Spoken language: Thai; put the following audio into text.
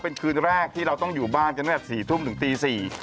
เป็นคืนแรกที่เราต้องอยู่บ้านกันตั้งแต่๔ทุ่มถึงตี๔